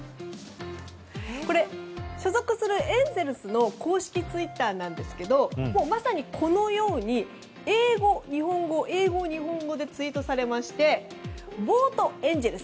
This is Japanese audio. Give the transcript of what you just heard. これ、所属するエンゼルスの公式ツイッターなんですがまさに、このように英語、日本語、英語、日本語でツイートされましてボートエンゼルス